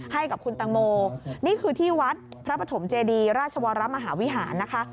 ให้กับคุณตังโมนี่คือที่วัดพระปฐมเจดีราชวรมหาวิหารนะคะ